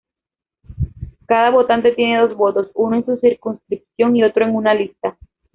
Cada votante tiene dos votos, uno en su circunscripción y otro en una lista.